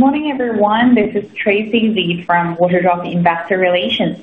Good morning, everyone. This is Tracy Li from Waterdrop Investor Relations.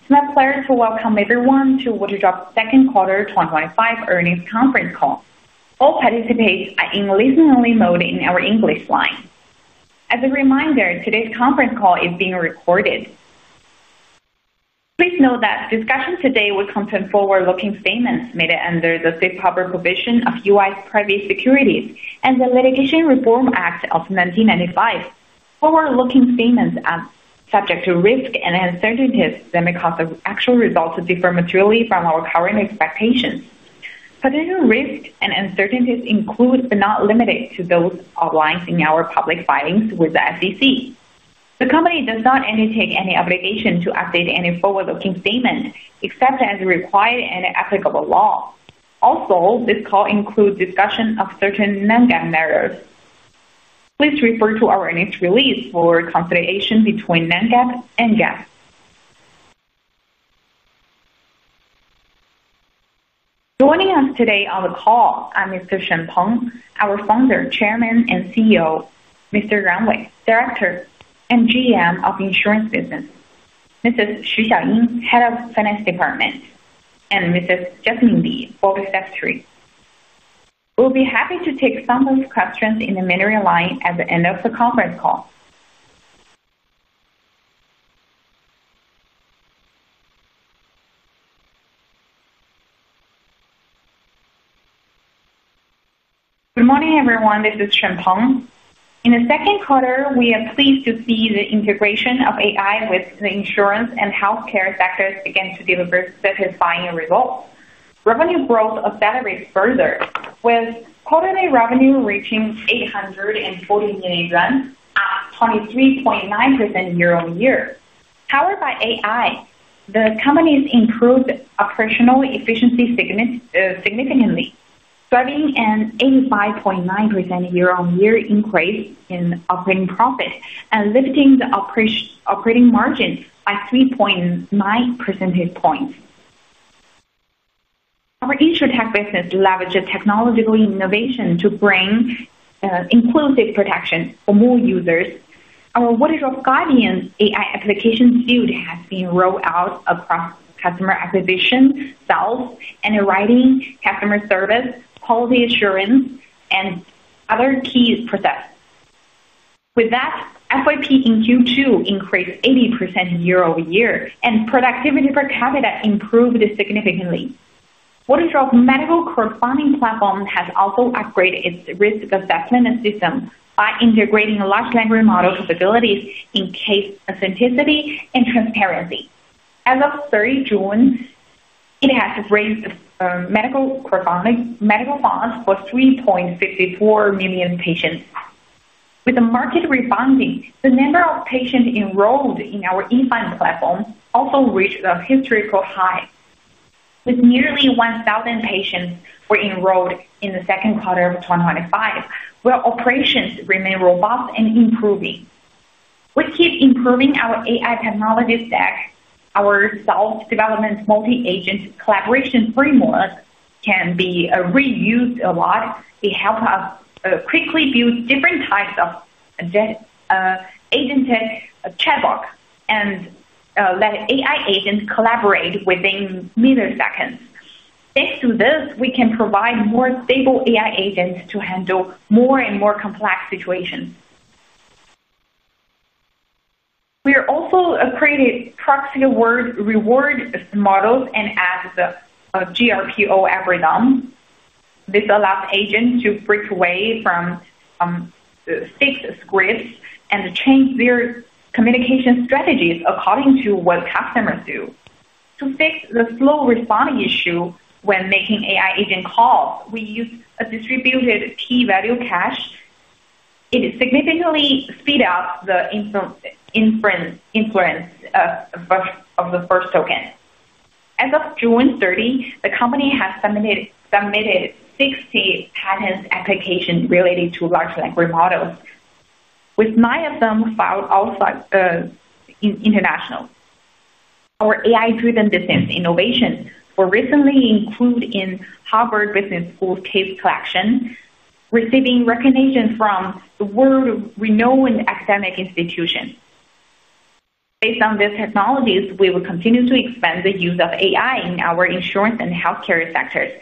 It's my pleasure to welcome everyone to Waterdrop's Second Quarter twenty twenty five Earnings Conference Call. All participants are in listen only mode in our English line. As a reminder, today's conference call is being recorded. Please note that discussion today will contain forward looking statements made under the Safe Harbor provisions of U. I. Private Securities and the Litigation Reform Act of 1995. Forward looking statements are subject to risks and uncertainties that may cause actual results to differ materially from our current expectations. Potential risks and and uncertainties include, but not limited to, those outlined in our public filings with the SEC. The company does not undertake any obligation to update any forward looking statements except as required in applicable law. Also, this call includes discussion of certain non GAAP matters. Please refer to our earnings release for a reconciliation between non GAAP and GAAP. Joining us today on the call are Mr. Shen Peng, our Founder, Chairman and CEO Mr. Ran Wei, Director and GM of the Insurance Business Mrs. Xu Xiaoying, Head of Finance Department and Mrs. Jasmine Li, Board Secretary. We'll be happy to take some of your questions in the middle of conference call. Good morning, everyone. This is Shun Tong. In the second quarter, we are pleased to see the integration of AI with the insurance and healthcare sectors begin to deliver satisfying results. Revenue growth accelerated further with quarterly revenue reaching million, up 23.9% year over year. Powered by AI, the company's improved operational efficiency significantly, driving an 85.9% year over year increase in operating profit and lifting the operating margin by 3.9 percentage points. Our EasterTech business leverages technological innovation to bring inclusive protection for more users. Our Waterdrop Guardian AI application suite has been rolled out across customer acquisition, sales, underwriting, customer service, quality assurance and other key process. With that, FYP in Q2 increased 80% year over year and productivity per capita improved significantly. Waterdrop Medical corresponding platform has also upgraded its risk assessment system by integrating large language model capabilities in case authenticity and transparency. As of June 30, it has raised medical funds for three point five four million patients. With the market rebounding, the number of patients enrolled in our eFine platform also reached a historical high, with nearly 1,000 patients were enrolled in the 2025, where operations remain robust and improving. We keep improving our AI technology stack. Our self development multi agent collaboration framework can be reused a lot. It helps us quickly build different types of agented chatbot and let AI agent collaborate within milliseconds. Thanks to this, we can provide more stable AI agents to handle more and more complex situations. We are also creating proxy reward models and adds the GRPO algorithm. This allows agents to break away from fixed scripts and change their communication strategies according to what customers do. To fix the slow responding issue when making AI agent calls, we used a distributed key value cash. It significantly speed up the influence of the first token. As of June 30, the company has submitted 60 patent applications related to large language models, with nine of them filed outside international. Our AI driven business innovation were recently included in Harvard Business School's case collection, receiving recognition from the world renowned academic institution. Based on these technologies, we will continue to expand the use of AI in our insurance and healthcare sectors,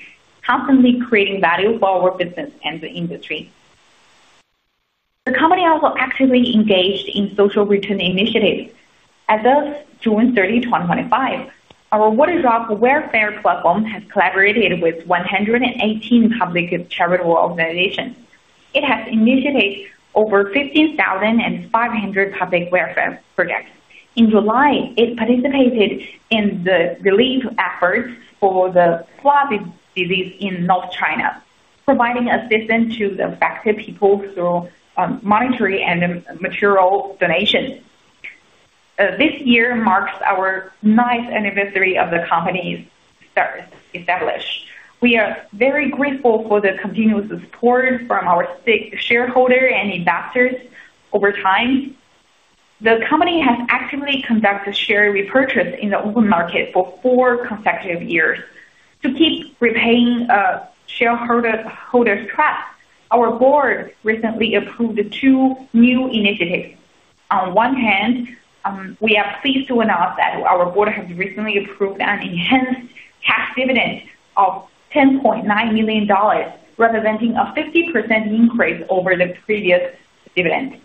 constantly creating value for our business and the industry. The company also actively engaged in social return initiatives. As of 06/30/2025, our Waterdrop welfare platform has collaborated with 118 public charitable organizations. It has initiated over 15,500 public welfare projects. In July, it participated in the relief efforts for the Swab disease in North China, providing assistance to the affected people through monitoring and material donations. This year marks our ninth anniversary of the company's start to establish. We are very grateful for the continuous support from our shareholders and investors over time. The company has actively conducted share repurchase in the open market for four consecutive years. To keep repaying shareholders' trust, our Board recently approved two new initiatives. On one hand, we are pleased to announce that our Board has recently approved an enhanced cash dividend of $10,900,000 representing a 50% increase over the previous dividend.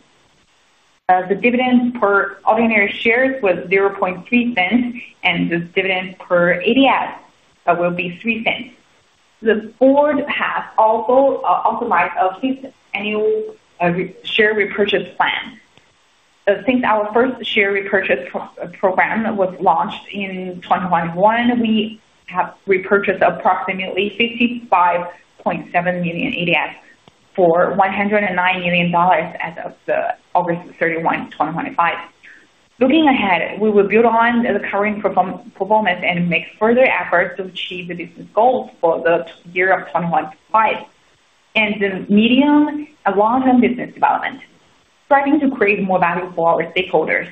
The dividend per ordinary shares was $0.3 and this dividend per ADS will be $03 The Board has also authorized its annual share repurchase plan. Since our first share repurchase program was launched in 2021, we have repurchased approximately 55,700,000.0 ADS for $109,000,000 as of 08/31/2025. Looking ahead, we will build on the current performance and make further efforts to achieve the business goals for the year of 2025 and the medium and long term business development, striving to create more value for our stakeholders.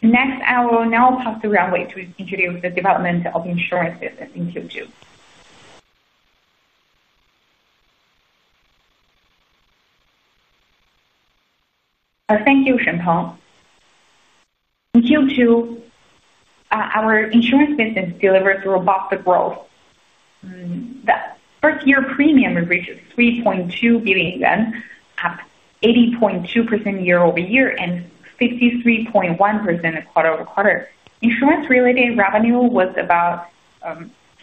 Next, I will now pass the runway to introduce the development of insurance business in Q2. Thank you, Shunpeng. In Q2, our insurance business delivered robust growth. The first year premium reached billion, up 80.2% year over year and 53.1% quarter over quarter. Insurance related revenue was about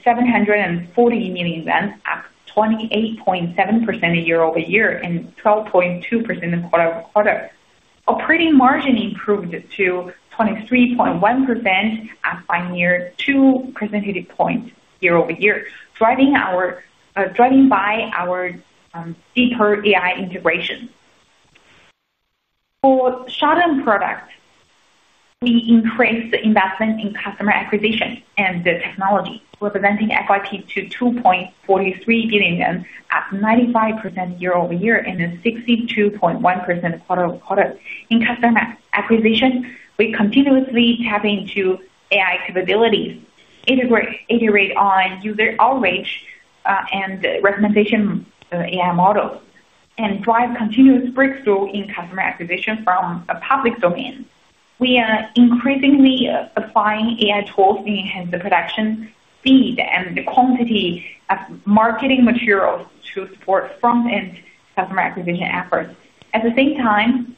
million, up 28.7% year over year and 12.2% quarter over quarter. Operating margin improved to 23.1% up by near two percentage points year over year, driving by our deeper AI integration. For short term product, we increased the investment in customer acquisition and technology, representing FYP to billion, up 95% year over year and 62.1% quarter over quarter. In customer acquisition, we continuously tap into AI capabilities, integrate on user outreach and recommendation AI model and drive continuous breakthrough in customer acquisition from a public domain. We are increasingly applying AI tools to enhance the production, speed and the quantity of marketing materials to support front end customer acquisition efforts. At the same time,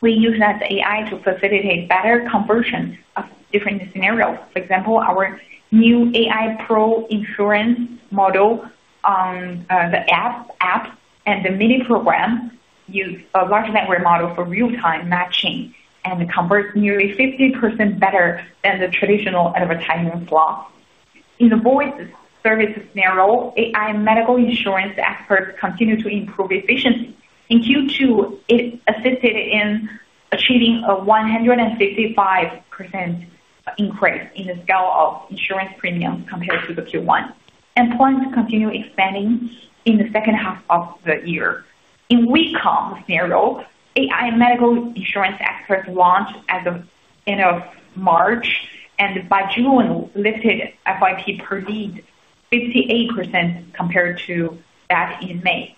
we use that AI to facilitate better conversion of different scenarios. For example, our new AI Pro insurance model, the app and the Mini Program use a large network model for real time matching and converts nearly 50% better than the traditional advertising slot. In the voice services narrow AI medical insurance experts continue to improve efficiency. In Q2, it assisted in achieving a 155% increase in the scale of insurance premiums compared to the Q1. And points continue expanding in the second half of the year. In weak comp scenario, AI medical insurance experts launched as of March and by June lifted FIP per lead 58% compared to that in May.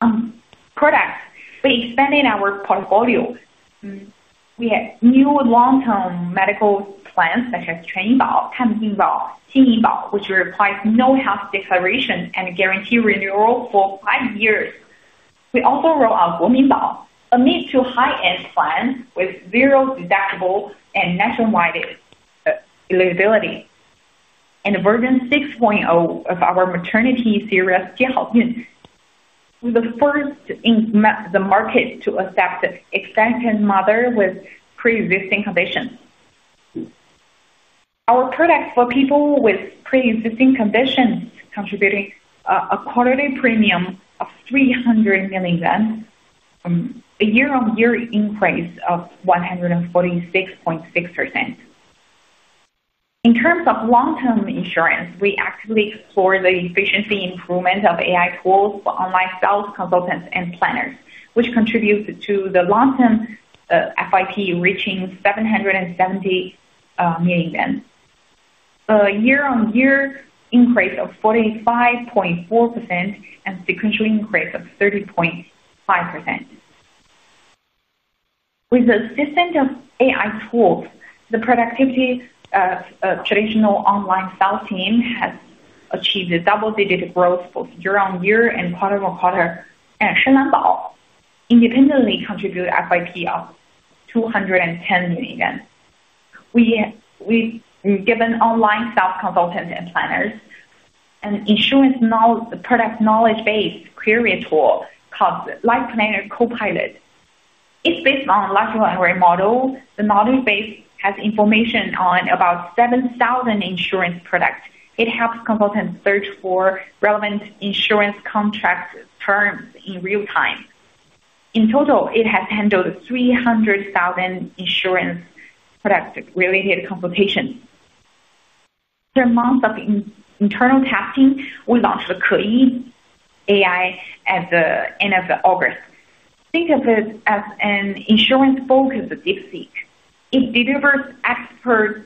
On products, we expanded our portfolio. We have new long term medical plans such as which requires no health declaration and guarantee renewal for five years. We also rolled out a mid to high end plan with zero deductible and nationwide eligibility. And version six point zero of our maternity series, Jiahao Yun, we were the first in the market to accept extended mothers with pre existing conditions. Our products for people with pre existing conditions contributed a quarterly premium of million, a year on year increase of 146.6%. In terms of long term insurance, we actively explore the efficiency improvement of AI tools for online sales consultants and planners, which contributed to the long term FIP reaching 770 million. A year on year increase of 45.4% and sequential increase of 30.5%. With the assistance of AI tools, the productivity of traditional online sales team has achieved double digit growth both year on year and quarter on quarter and Shenandoah independently contributed FIP of million. We've given online sales consultants and planners an insurance product knowledge based query tool called Life Planner Co Pilot. It's based on life to an array model, the knowledge base has information on about 7,000 insurance products. It helps consultants search for relevant insurance contract terms in real time. In total, it has handled 300,000 insurance product related consultations. Through months of internal testing, we launched the Kueyi AI at the August. Think of it as an insurance focused deep seat. It delivers expert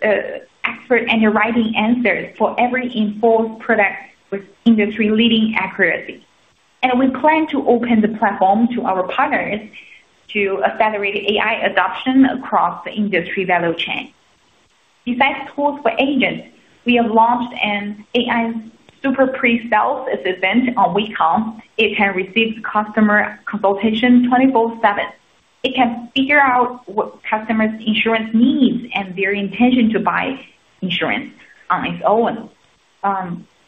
underwriting answers for every informed product with industry leading accuracy. And we plan to open the platform to our partners to accelerate AI adoption across the industry value chain. Besides tools for agents, we have launched an AI super pre sales assistant on Wecom. It can receive customer consultation 20 fourseven. It can figure out what customers' insurance needs and their intention to buy insurance on its own,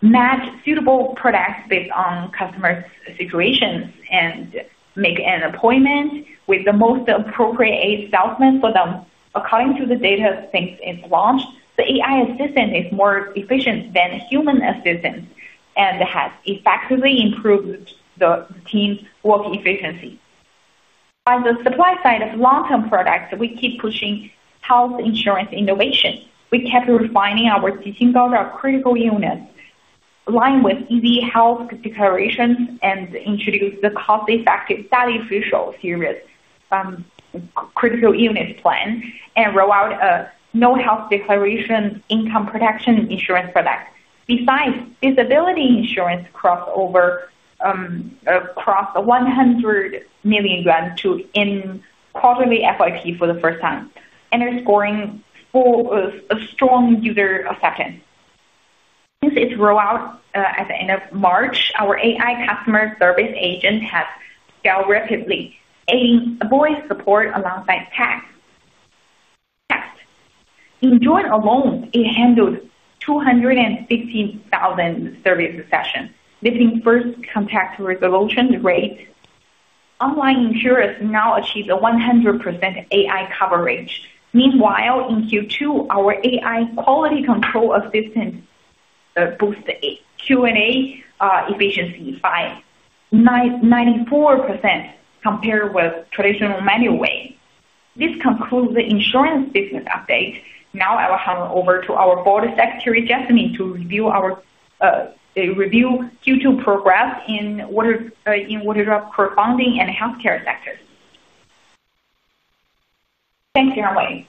match suitable products based on customers' situations and make an appointment with the most appropriate salesmen for them. According to the data since it launched, the AI assistant is more efficient than human assistant and has effectively improved the team's work efficiency. On the supply side of long term products, we keep pushing health insurance innovation. We kept refining our Zixin's order of critical units aligned with easy health declarations and introduced the cost effective study official series critical unit plan and rolled out a no health declaration income protection insurance product. Besides, disability insurance crossover across the million to in quarterly FYP for the first time and is scoring a strong user effect. Since its rollout at the March, our AI customer service agent has scaled rapidly, aiding avoid support alongside tax. In joint alone, it handled 215,000 service sessions, lifting first contact resolution rate. Online insurers now achieved 100% AI coverage. Meanwhile, in Q2, our AI quality control assistance boosted Q and A efficiency by 94% compared with traditional manual way. This concludes the insurance business update. Now I will hand over to our Board Secretary, Jasmine, to review our review Q2 progress in order of core funding and healthcare sectors. Thank you, Yunwei.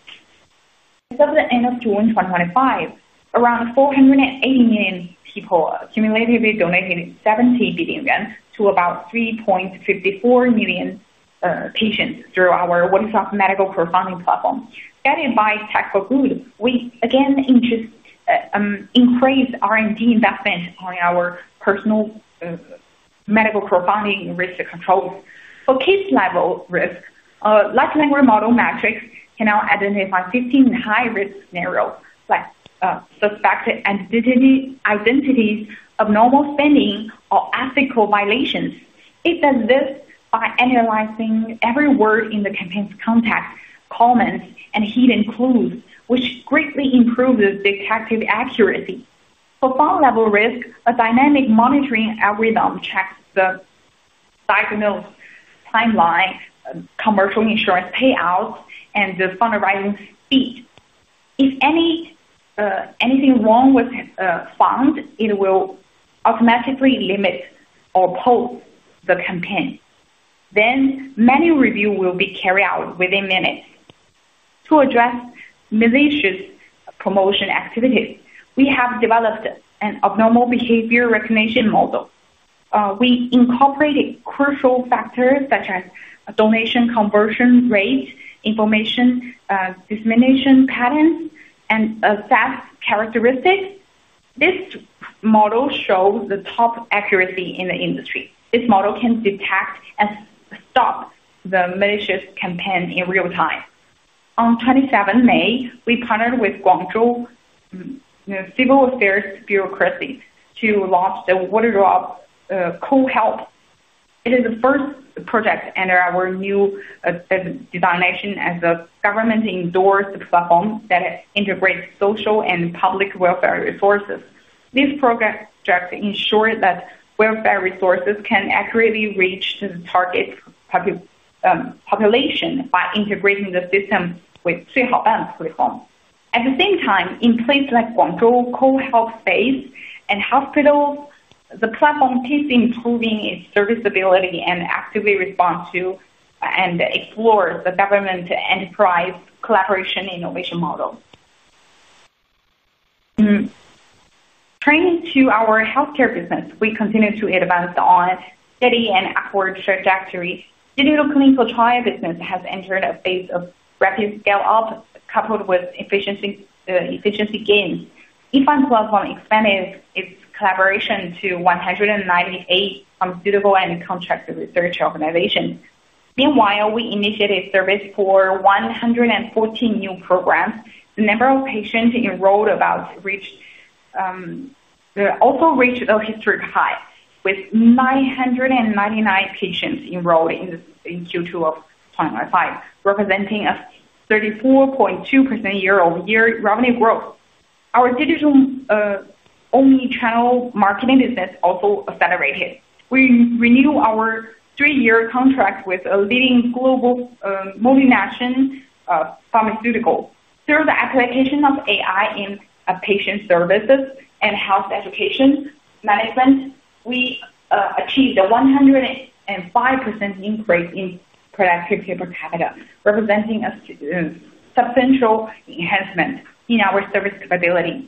As of the June 2025, around four eighty million people cumulatively donated 70 billion yuan to about 3,540,000 patients through our WhatsApp medical profiling platform. That is by Tactical Group, we again increased R and D investment on our personal medical profiling risk control. For case level risk, like language model metrics can now identify 15 high risk scenarios like suspected identity, abnormal spending or ethical violations. It does this by analyzing every word in the campaign's context, comments and hidden clues which greatly improves the detective accuracy. For fund level risk, a dynamic monitoring algorithm checks the diagnose timeline, commercial insurance payout and the fund raising speed. If anything wrong with fund, it will automatically limit or post the campaign. Then menu review will be carried out within minutes. To address malicious promotion activities, we have developed an abnormal behavior recognition model. We incorporated crucial factors such as donation conversion rate, information dissemination patterns and SaaS characteristics. This model shows the top accuracy in the industry. This model can detect and stop the malicious campaign in real time. On twenty seven May, we partnered with Guangzhou civil affairs bureaucracy to launch the order of Cool Help. It is the first project under our new designation as a government endorsed platform that integrates social and public welfare resources. This project ensures that welfare resources can accurately reach the target population by integrating the system with Zhihoban's platform. At the same time, in places like Guangzhou, co health space and hospitals, the platform is improving its serviceability and actively respond to and explore the government enterprise collaboration innovation model. Turning to our healthcare business. We continue to advance on steady and upward trajectory. Digital clinical trial business has entered a phase of rapid scale up coupled with efficiency gains. Yifan platform expanded its collaboration to 198 pharmaceutical and contracted research organizations. Meanwhile, we initiated service for 114 new programs. The number of patients enrolled about reached also reached a historic high with nine ninety nine patients enrolled in 2019, representing a 34.2% year over year revenue growth. Our digital omni channel marketing business also accelerated. We renewed our three year contract with a leading global multinational pharmaceutical. Through the application of AI in patient services and health education management, we achieved 105% increase in productivity per capita, representing a substantial enhancement in our service capability.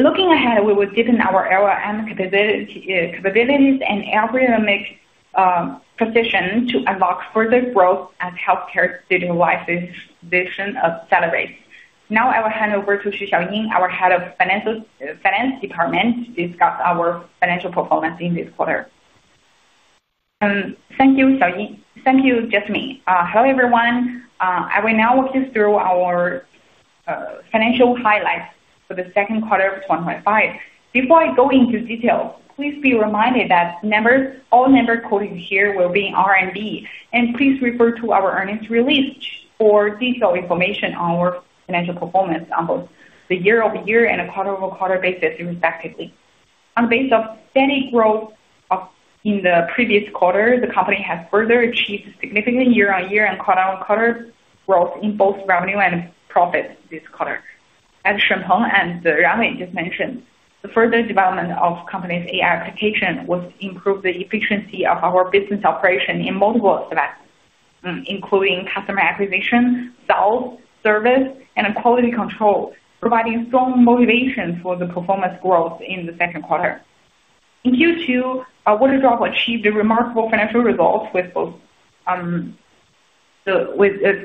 Looking ahead, we will deepen our L and M capabilities and algorithmic position to unlock further growth as healthcare digital wide vision accelerates. Now I will hand over to Xu Xiaoying, our Head of Finance Department to discuss our financial performance in this quarter. Thank you, Xiaoying. Thank you, Jasmine. Hello, everyone. I will now walk you through our financial highlights for the 2025. Before I go into detail, please be reminded that all numbers quoted here will be in RMB and please refer to our earnings release for detailed information on our financial performance on both the year over year and quarter over quarter basis respectively. On the base of steady growth in the previous quarter, the company has further achieved significant year on year and quarter on quarter growth in both revenue and profit this quarter. As Shengpeng and Ria Mei just mentioned, further development of company's AI application was to improve the efficiency of our business operation in multiple segments, including customer acquisition, sales, service and quality control providing strong motivation for the performance growth in the second quarter. In Q2, Waterdrop achieved remarkable financial results with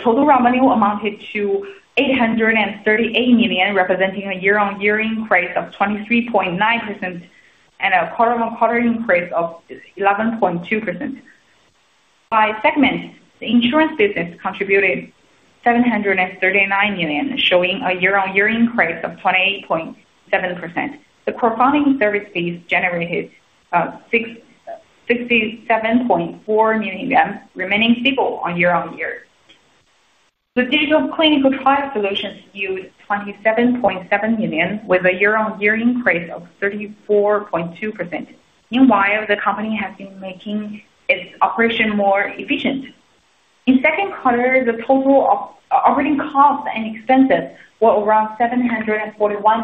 total raw money amounted to million, representing a year on year increase of 23.9% and a quarter on quarter increase of 11.2%. By segment, the insurance business contributed million showing a year on year increase of 28.7%. The corresponding service fees generated million remaining stable on year on year. The digital clinical trial solutions used 27.7 million with a year on year increase of 34.2%. Meanwhile, the company has been making its operation more efficient. In second quarter, the total operating costs and expenses were around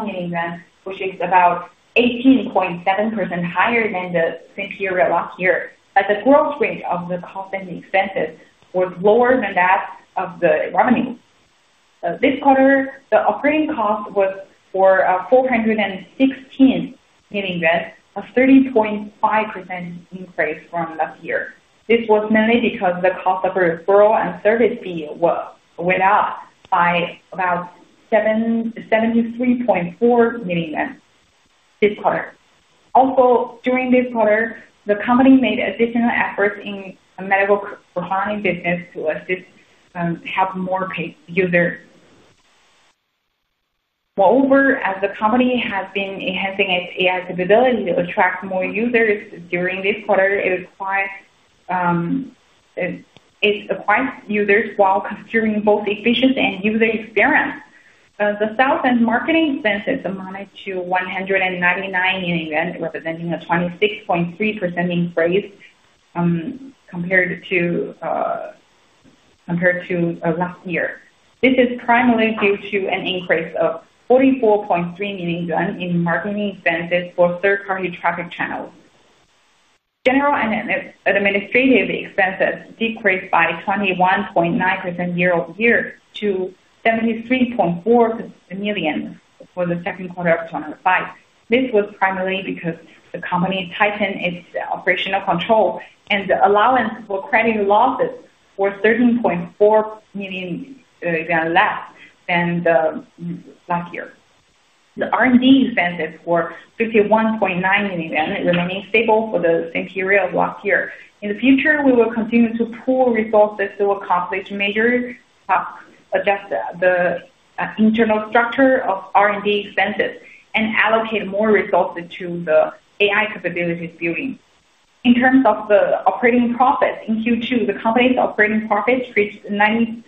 million, which is about 18.7% higher than the same period last year as the growth rate of the cost and expenses was lower than that of the revenue. This quarter, the operating cost was for million, a 30.5% increase from last year. This was mainly because the cost of referral and service fee went up by about million this quarter. Also during this quarter, the company made additional efforts in medical refining business to assist help more users. Moreover, as the company has been enhancing its AI capability to attract more users during this quarter, it it acquired users while considering both efficiency and user experience. The sales and marketing expenses amounted to million, representing a 26.3% increase compared to last year. This is primarily due to an increase of million in marketing expenses for third party traffic channels. General and administrative expenses decreased by 21.9% year over year to million for the 2019. This was primarily because the company tightened its operational control and allowance for credit losses were 13.4 million less than last year. The R and D expenses were million remaining stable for the same period of last year. In the future, we will continue to pull resources to accomplish major adjustments, the internal structure of R and D expenses and allocate more resources to the AI capabilities building. In terms of the operating profit in Q2, the company's operating profit reached million,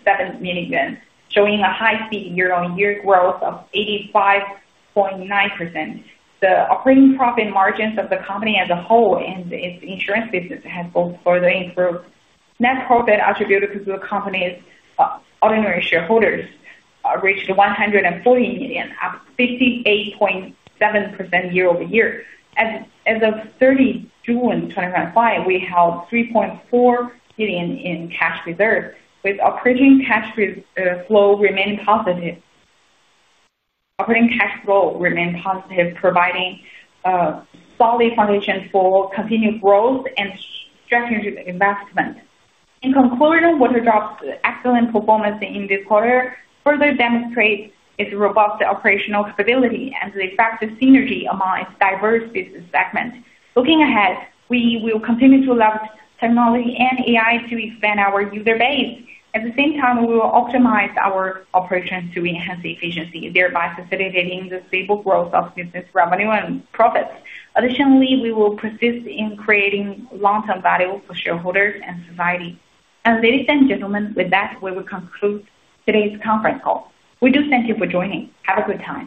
showing a high speed year on year growth of 85.9%. The operating profit margins of the company as a whole and its insurance business have both further improved. Net profit attributable to the company's ordinary shareholders reached 140 million, up 58.7 year over year. As of 06/30/2025, we held billion in cash reserve with operating cash flow remained positive Operating cash flow remained positive providing solid foundation for continued growth and strategic investment. In conclusion, Waterdrop's excellent performance in this quarter further demonstrates its robust operational stability and the effective synergy among diverse business segment. Looking ahead, we will continue to leverage technology and AI to expand our user base. At the same time, we will optimize our operations to enhance efficiency, thereby facilitating the stable growth of business revenue and profits. Additionally, we will persist in creating long term value for shareholders and society. And ladies and gentlemen, with that, we will conclude today's conference call. We do thank you for joining. Have a good time.